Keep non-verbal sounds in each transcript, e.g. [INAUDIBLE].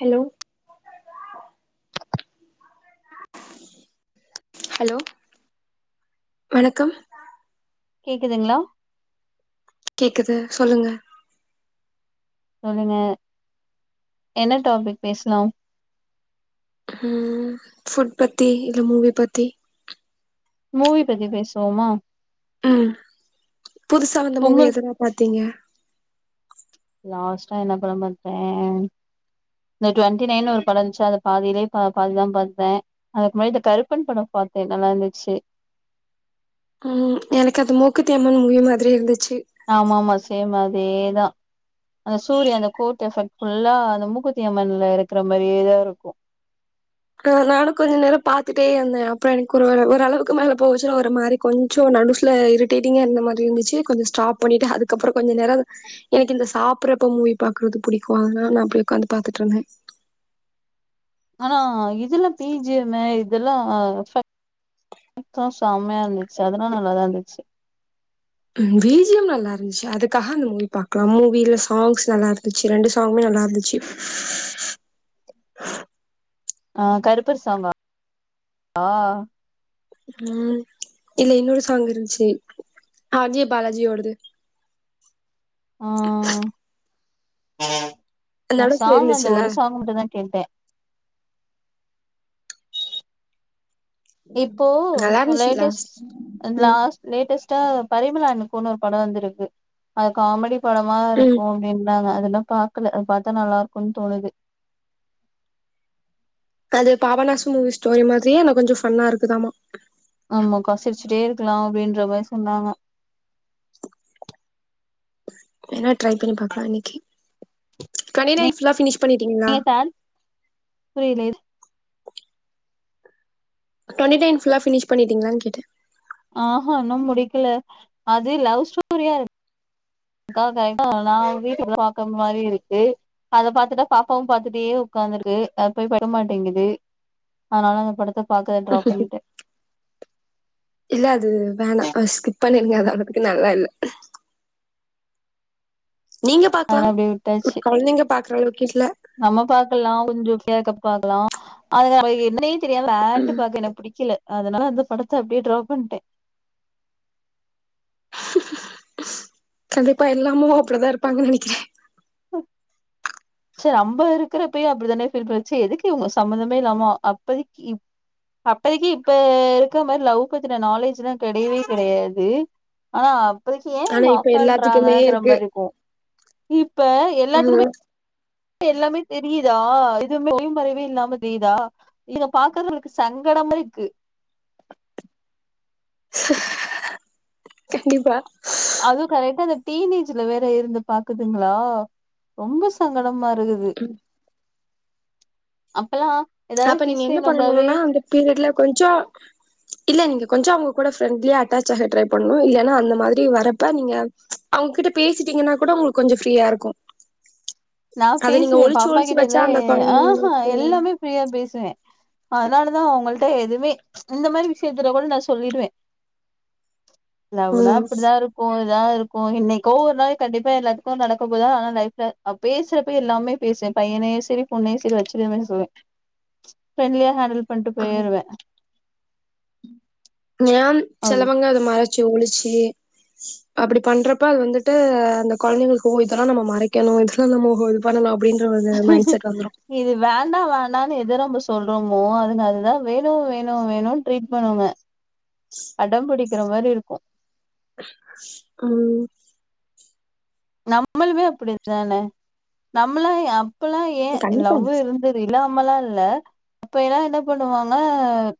hello hello வணக்கம் கேக்குதுங்களா கேக்குது சொல்லுங்க சொல்லுங்க என்ன டாபிக் பேஸ்லாம் ம் ஃபுட் பத்தி இல்ல மூவி பத்தி மூவி பத்தி பேசுவோமா ஆ புதுசா வந்த மூவி உங்களுக்கு எதனா பாத்தீங்க லாஸ்ட்டா என்ன படோ பாத்த இந்த டுவெண்டி நைன்னு ஒரு படோ வந்துச்சுல அத பாதிலே பா பாதிதா பாத்த அதுக்கு முன்னாடி இந்த கருப்பன் படோ பாத்த நல்லா இருந்துச்சு ம் எனக்கு அந்த மூக்குத்தி அம்மன் மூவி மாதிரி இருந்துச் ஆமா ஆமா சேம்மா அதேதா இந்த சூரியன் அந்த கோர்டு ஃபெக் ஃபுல்லா அந்த மூக்குத்தி அம்மன்ல இருக்குற மாரியேதா இருக்கு ஆ நானு கொஞ்ச நேரோ பாத்துட்டே இருந்த அப்பறோ எனக்கு ஒரு ஒரளவுக்கு மேல போச்சுன்னா ஒரு மாரி கொஞ்சோ நனுசுல இருட்டேடிங்கா இருந்த மாரி இருந்துச்சு கொஞ்ச ஸ்டாப் பண்ணிட்டு அதுக்கப்பறோ கொஞ்ச நேரோ எனக்கு இந்த சாப்புறதப்ப மூவி பாக்குறது புடிக்கு அதனால நா அப்டி உக்காந்து பாத்துட்டு இருந்த ஆனா இதெல்லா பீஜீயம்மு இதெல்லா பாத்தோ செம்மயா இருந்துச்சு அதனா நல்லாதா இருந்துச்சு ம் பீஜீயம் நல்லா இருந்துச்சு அதுக்காக அந்த மூவி பாக்லா மூவில சாங்ஸ் நல்லா இருந்துச்சு ரெண்டு சாங்குமே நல்லா இருந்துச்சு ஆ கருப்பசாம்பா ஆ ம் இல்ல இன்னொரு சாங் இருந்துச்சு ஆர்ஜி பாலாஜியோடது ஆ நா நடஸ்ல சாங் அந்த இருந்துச்சுல்ல ஒரு சாங் மட்டுந்தா கேட்ட இப்போ நல்லா இருந்துச்சு லாஸ்ட் லேட்டஸ்ட் ம் லாஸ்ட் லேட்டஸ்ட்டா பரிமலானு போன்னு ஒரு படோ வந்துருக்கு அது காமடி படமா ம் இருக்கு அப்டினாங்க அது அதெல்லா பாக்கல அது பாத்தா நல்லா இருக்குன் தோணுது அது பாபநாசு மூவி ஸ்டோரி மாதிரியே ஆனா கொஞ்சோ ஃபன்னா இருக்குதாமா நம்ம கசிச்சுட்டே இருக்குலா அப்டின்ற மாரி சொன்னாங்க என்னட் ட்ரை பண்ணி பக்கலா இன்னிக்கு கனி நைட் ஃபுல்லா பினிஷ் நீங்க தான் புரியல எது டுவென்டி நைன் ஃபுல்லா பினிஷ் பண்ணிட்டீங்களான்னு கேட்டு ஆ இன்னு முடிக்கல அது லவ் ஸ்டோரியா இருக் க்கா கரகா நா வீட்டுள்ள பாக்க மாரி இருக்கு அ பாத்துட்டா பாப்பாவு பாத்துட்டே உக்காந்துருக்கு அது போய் படிக்க மாட்டேங்குது அதனால அந்த படத்த பாக்கறத ட்ராப் பண்ணிட்டே இல்ல அது வேணா அஷ்கு பண்ணிருக்காங்க அதபத்தி நல்லா இல்ல நீங்க அதனால பாக்கலாம் அப்டியே விட்டாச்சு கொழந்தைங்கள பாக்குற அளவுக்கு கிஸ்ல நம்ம பாக்கலாம் கொஞ்சோண்டு இது பாக்கலாம் அது என்ன தெரியாத வேன்ட்டு ம் பாக்க எனக்கு புடிக்கல அதனால அந்த படத்த அப்டியே டிரா பண்ட்டே கண்டிப்பா எல்லாமு அப்பிடிதா இருப்பாங்கன்னு நெனைக்கிறே ம் ச்சே அம்பது இருக்கிறப்பயு அப்படிதானே ஃபீல் பண்ணுச்சு எதுக்கு இவங்க சம்பந்தமே இல்லாம அப்பதக்கி இப் அப்பதக்கி இப்ப இருக்க மாரி லவ் பத்தின நாலேஜ்லா கெடையவே கெடையாது ஆ அப்பதக்கி ஏன் ஆனா லவ் இப்ப எல்லாத்துக்குமே பண்றாங்கங்கற மாரி இருக்கு இப்ப எல்லாத்துக்குமே ம் ப்ப எல்லாமே தெரியுதா எதுவுமே ஒளிவுமறைவே இல்லாம தெரியுதா இத பாக்குறவங்களுக்கு சங்கடமா இருக்கு [UNINTELLIGIBLE] அதுவு கரெக்டா அந்த [UNINTELLIGIBLE] டீனேஜ்ல வேற இருந்து பாக்குதுங்களா ரொம்ப சங்க டமா இருக்குது அப்பல்லா ஏதாவது அப்ப நீங்க கிஸ் என்ன சீன் வந்தாவே பண்ணணுன்னா அந்த பீரியட்ல கொஞ்சோ இல்ல நீங்க கொஞ்சோ அவங்க கூட ஃப்ரெண்ட்லியா அட்டாச் ஆக ட்ரை பண்ணணு இல்லன்னா அந்த மாதிரி வரப்ப நீங்க அவங்ககிட்ட பேசிட்டீங்கன்னா கூட உங்களுக்கு கொஞ்ச ஃப்ரீயா இருக்கு நா அத நீங்க பேசுவே ஒளிச்சு ஒளிச்சு பாப்பாகிட்ட வச்சா எல்லா அந்த ஆஹா கொழந்தைங்களுக்கு எல்லாமே ஃப்ரீயா பேசுவே அதனாலதா அவங்கள்ட்ட எதுவுமே இந்த மாரி விஷயத்துல கூட நா சொல்லிடுவே லவ்வுனா ம் அப்பிடிதா இருக்கு அப்டிதா இருக்கு என்னைக்கோ ஒரு நாள் கண்டிப்பா எல்லாத்துக்கு நடக்க போதுதா ஆனா லைஃப்ல ஆ பேசுறப்பயு எல்லாமே பேசுவே பையனையு சரி பொண்ணயு சரி வச்சுருவேன்னு சொல்லுவே ஃபிரெண்ட்லியா ஹேண்டில் பண்ட்டு போயிருவே ம் நியாம் சிலவங்க அத மறைச்சு ஒழிச்சு அப்பிடி பண்றப்ப அது வந்துட்டு அந்த கொழந்தைகளுக்கு ஓ இதெல்லா நம்ம மறைக்கணு இதெல்லா நம்ம ஹோல்டு பண்ணனு இது வேண்டா வேண்டான்னு எதல்லா நம்ம சொல்றோமோ அதுனாலதா வேணு வேணு வேணுன்னு ட்ரீட் பண்ணுவ அடம் பிடி க்கிற மாரி இருக்கு ம் நம்மளுமே அப்பிடிதானே நம்மல்லா யா அப்பல்லா ஏ கண்டிப்பா லவ் இருந்தது இல்லா மல்லா இல்ல அப்ப எல்லா என்ன பண்ணுவாங்க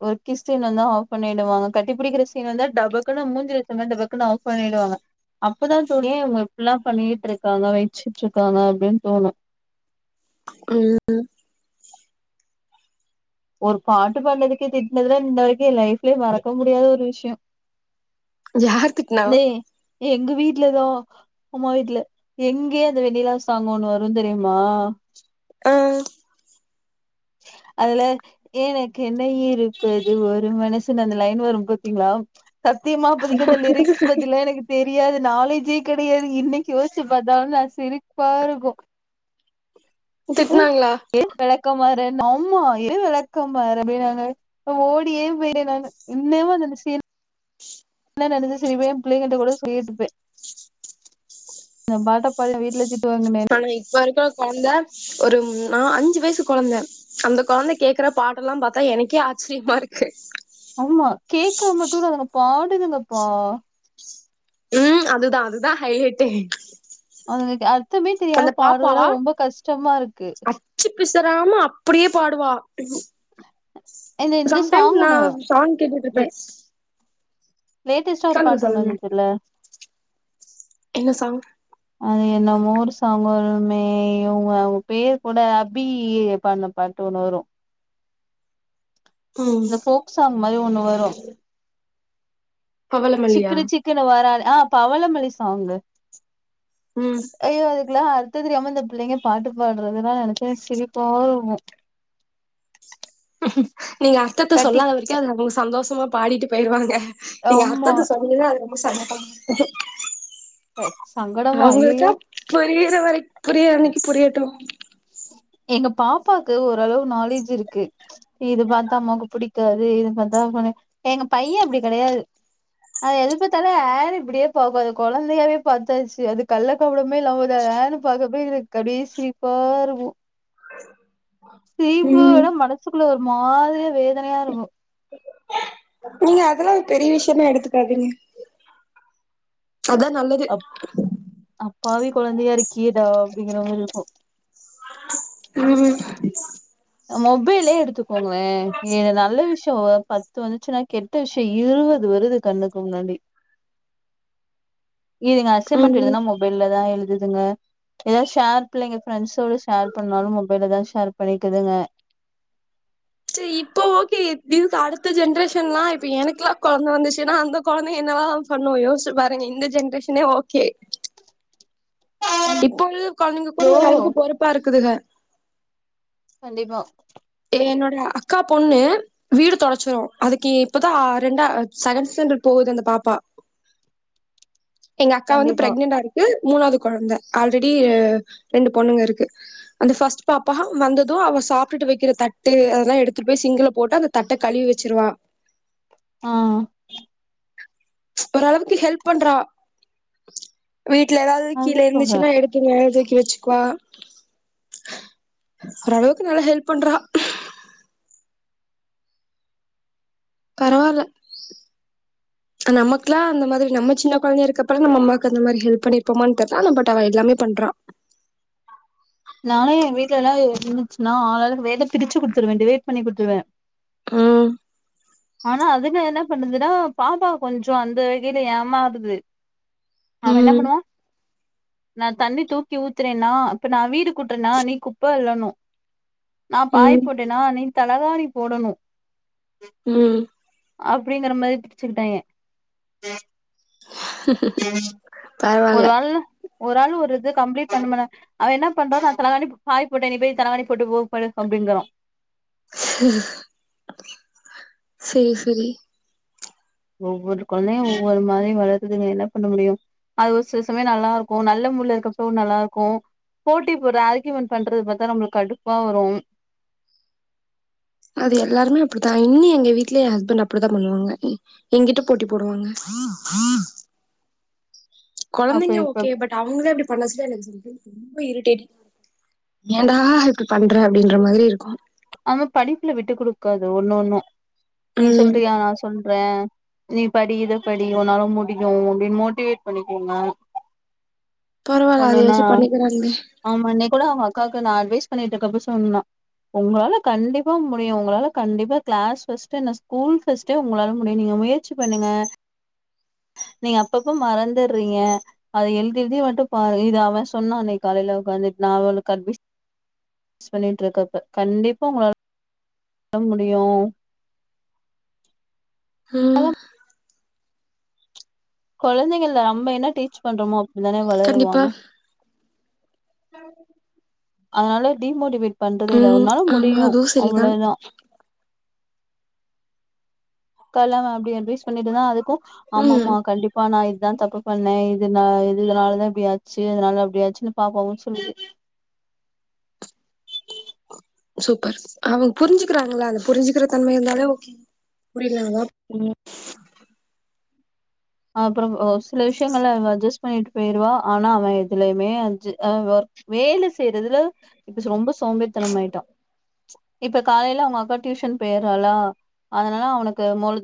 ஒரு கிஸ் சீன் வந்தா ஆஃப் பண்ணிடுவாங்க கட்டி பிடிக்கிற சீன் வந்தா டபக்குன்னு மூஞ்சில அடிச்ச மாரி ஆஃப் பண்ணிடுவாங்க அப்பதா தோணு ஏன் இவுங்க இப்டிலா பண்ணிட்டுருக்காங்க வச்சிட்ருக்காங்க அப்டின்னு தோணு ம் ம் ஒரு பாட்டு பாடுனதுக்கே திட்னதல்லா இன்னவரைக்கு என் லைஃப்லயே மறக்க முடியாத ஒரு விஷயோ யாரு திட்டுனா டேய் எங்க வீட்டு்லதான் அம்மா வீட்டுல எங்கே அந்த வெணணிலா சாங்கோன்னனு வரும் தெரியுமா ஆஹ் அதுல எனக்கு என்ன இருப்பது ஒரு மனசுனு அந்த லைன் வரும் பார்த்தீங்களா சத்தியமா அப்பதிக்கு அந்த லிரிக்ஸ் பத்தியெல்லாம் எனக்கு தெரியாது தெரியாது நாலேஜேயே கெடையாது இன்னைக்கு யோசித்துபார்த்தாலும் நான் சிரிப்பா இருக்கும் திட்டனாங்களா விளக்கமாறன் ஆமா எடு விளக்கமாரு அப்டினாங்க நான் ஓடியே போய்டேன் நானு இன்னமும் என்ன நடந்ததுனு சிரி புள்ளலைங்ககிட்ட ட்டு பாட்ட பாடிய வீட்டுல த ஆனா இப்பவரைக்கும் அந்த ஒரு நால் அஞ்சு வயசு கொழந்த அந்த குழந்தை கேக்குற பாட்டெல்லாம் பார்த்தா எனக்கே ஆச்சரியமா இருக்கு ஆமா கேக்கு மட்டும் இல்ல பாட்டுதுங்கப்பா உம் அதுதான் அதுதான் ஹைலைட்டே [UNINTELLIGIBLE] அர்த்தமே தெரியாம அந்த பாடுறது பாப்பா தான் ரொம்ப கஷ்டமா இருக்கு அச்சு பிசறாம அப்படியே பாடுவா ஏனா இந்த சம் டைம்ஸ் சாங் நான் ஒண்ணு சாங்ஸ் கேட்டுட்டு இருப்பேன் லேட்டஸ்டா ஒரு பாட்டு ஒன்னு வந்துச்சதுல என்ன சாங் அ என்ன மோ ஒரு சாங் வருமே இவங்க அவங்க பேர் கூட பாட்டுன பாட்டு ஒண்ணு வரும் ம் இந்த போக் சாங் அது ஒன்னு வரும் பவளமல்லியா சிக்கனு சிக்குனு வராலே ஆ பவளமல்லி சாங்கு ம் ஐயோ அதுக்கலாம் அர்த்தம் தெரியாம இந்த பிள்ளைங்க பாட்டு பாடுறது அதெல்லாம் நெனச்ச சிரிப்பா வரும் ஹ நீங்க அர்த்தத கட்டி சொல்லாத வரைக்கும் அது சந்தோஷமா பாடிட்டு போயிருவாங்க இங்க ஆமா அர்த்தத சொல்லி சாயங்காலம் போலாம் சங்கடமா அவங்களுக்க ஐயயோ புரியிற மாதிரி புரிய வைக்க புரியட்டும் எங்க பாப்பாக்கு ஓரளவு நாலேஜ் இருக்கு இது பாத்தா அம்மாவுக்கு பிடிக்காது இது பாத்தா எங்க பையன் அப்டி கிடையாது அதாது எது பாத்தாலும் ஆ னு இப்டியே பாக்கும் அது குழந்தையாவே பாத்தாச்சு அது கல்ல கபடமே இல்லாம அ னு பாக்கப்ப அப்டியே சி ரிப்பா இருக்கும் சிரிப்பா ம் வரும் மனசுக்குள்ள மாதிரிய வேதனையா இருக்கும் நீங்க அதெல்லா பெரிய விஷயமா எடுத்துக்காதீங்க அதான் நல்லது அப் கீதா அப்டிங்கிற மாரி இருக்கும் ம் மொபைலே எடுத்துக்கோங்களே ஏது நல்ல விஷயம் பத்து வந்துச்சுன்னா கெட்ட விஷயம் இருவது வருது கண்ணுக்க முன்னாடி இதுங்க அசைன்மென்ட் ம் எழுதுனா மொபைல்ல தா எழுது ங்க எத ஷேர் பிள்ளைங்க ஃபிரண்ட்ஸ்வோட ஷேர் பண்ணாலும் மொபைல்ல தா ஷேர் பண் ணுதுங்க சரி இப்போ ஓகே இதுக்கு அடுத்த ஜென்ரேஷன் எல்லா இப்ப எனக்குலாம் கொழந்தை வந்துச்சுன்னா அந்த கொழந்தைங்க என்னல்லா பண்ணும் யோசிச்சு பாருங்க இந்த ஜென்ரேஷனே ஓகே இப்போ உள்ள கொழந்தைங்க கூட ஓ ஓரளவுக்கு பொறுப்பா இருக்குதுங்க கண்டிப்பா என்னோட அக்கா பொண்ணு வீடு தொடடைச்சிடும் அதுக்கு இப்ப தா ரெண்டா செகண்ட் ஸ்டாண்டர்ட் போகுது அந்த பாப்பா எங்க அக்கா வந்து கண்டிப்பா பிரக்னண்டா இருக்கு மூணாது கொழந்தை ஆல்ரெடி ரெண்டு பொண்ணுங்க இருக்கு அந்த ஃபஸ்ட் பாப்பா வந்ததும் அவ சாப்பிட்டு வை க்கிற தட்டு அதெல்லா எடுத்து போய் சிங்ல போட்டு அந்த தட்ட கழுவி வச்சிருவா ஆ ஓரளவுக்கு ஹெல்ப் பண்றா வீட்ல ஏதாது கீழ அதா சொல்றே இருந்துச்சுன்னா எடுத்து மேல துக் கி வச்சுக்குவா ஓரளவுக்கு நல்லா ஹெல்ப் பண்றா பரவாயில்ல நமக்லாம் அந்த மாதிரி நம்ம சின்ன கொழந்தைய இருக்கப்போ நம்ம அம்மாவுக்கு அந்த மாதிரி ஹெல்ப் பண்ணிருப்போமனு தெர்ல ஆனா பட் அவ எல்லாமே பண்றா நானு வீட்ல எல்லா இருந்துச்சுன்னா ஆளாளுக்கு வேலை பிரிச்சு குடுத்துருவேன் டிவேட் பண்ணி குடுத்துருவேன் ஆ ஆனா அதுல என்ன பண்ணுதுன்னா பாப்பா கொஞ்சோ அந்த வகையில ஏமாறுது அவன் என்ன ம் பண்ணுவான் நா தண்ணி தூக்கி ஊத்துறேன்னா இப்ப நா வீடு கூட்றனா நீ குப்ப அள்ளணும் நா பாய ம் போட்டேனா நீ தலகாணி போடணும் ம் அப்டிங்கற மாரி பிரிச்சுக்கிட்டாங்க பரவாயில்ல ஒரு ஆள் ஒரு ஆளு ஒரு இது கம்ப்ளீட் பண்ணு முன்ன அவன் என்ன பண்றோம் நான் தலவாணி பாய் போட்ட நி போயி தலைவாணி போட்டு போ படு அப்டிங்கிறோம் செரி செரி ஒவ்வொரு கொழந்தையும் ஒவ்வொரு மாரி வளறுதுங்க என்ன பண்ண முடியும் அது ஒரு சில சமயம் நல்லா இருக்கும் நல்ல மூடூல இருக்கப்பவும் நல்லா இருக்கும் போட்டி போடுற ஆர்கயூமெண்ட் பண்றது பாத்தா நம்மளுக்கு கடுப்பா வரும் அது எல்லாருமே அப்டிதான் இன்னி எங்க வீட்ல என் ஹஸ்பண்ட் அப்டிதான் பண்ணுவாங்க எங்கிட்ட போட்டி போடுவாங்க அப்ப குழந்தைங்க இப்ப ஓகே பட் அவங்கள இப்டி மனசுல எனக்கு சொல்ல [INAUDIBLE] ரொம்ப இரிடேட்ங் [INAUDIBLE] ஏண்டா இப்படி பண்ற அப்படின்ற மாதிரி இருக்கும் ஆமா படிப்புல விட்டு குடுக்காது ஒன்ன ஒன்னும் நீ ம் சொல்றியா நான் சொல் றன் நீ படி இத படி உண்னாலும் முடியும் அப்படின்னு மோட்டிவேட் பண்ணிக்கோங்க பரவால அத ஒன்னொன்னா யாச்சும் பண்ணிக்கிறாங்களே அக்காகு நான் அட்வைஸ் பண்ணிட்டுக்கப்ப சொன்னா உங்களால கண்டிப்பா முடியும் உங்களால கண்டிப்பா க்ளாஸ் ஃபஸ்ட்டு என்ன ஸ்கூல் ஃபர்ஸ்ட்டே உங்களால முடியும் நீங்க முயற்சி பண்ணுங்க [INAUDIBLE] நீங்க அப்பப்ப மறந்துடறீங்க அதை எழுதி எழுதி மட்டும் பாரு இத அவன் சொன்னான் அன்க்கு காலையில் உட்காந்துட்டு நான் உங்களுக்கு அட்வைஸ் பண்ணிட்டுருக்கப்ப கண்டிப்பா உங்களால பண்ண முடியும் ம்ஹ் குழந்தைங்கல நம்ப என்ன டீச் பண்றோமோ தானே கண்டிப்பா வளருவாங்க [INAUDIBLE] அதனால டிமோட்டிவேட் பண்றதே இல்லை ம் உன்னாலும் ஆமா முடியும் அதுவு சரிதா அவளோதான் கலவன் அப்டி அட்வைஸ் பண்ணிட்டு தான் அது க்கும் ம் ஆமமா கண்டிப்பா நான் இத் இதான் தப்பு பண்ணேன் இதுன இ இதனாலதான் இப்டி ஆச்சு இதனால அப்டியாச்சுன்னு பாப்பாவும் சொல்லுது சூப்பர் அவங்க புரிஞ்சுக்கிறாங்களா அந்த புரிஞ்சிக்கிற தன்மை இருந்தாலே ஓகே புரியலனா ம்ம் அப்புறம் சில விஷயங்கல இவ அட்ஜஸ் பண்ணிட்டு போயிருவா ஆனா அவன் எதுலயுமே ஐஞ்சு வேலை செய்யறதுல இப்ப ரொம்ப சோம்பேறித்தனமா ஆய்ட்டா இப்ப காலையில அவங்க அக்கா டியூஷன் போயறாளா அதனால அவனுக்கு முழு